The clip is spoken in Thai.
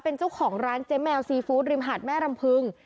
เป็นเจ้าของร้านเจ๊แมวซีฟู้ดริมหาดแม่รำพึง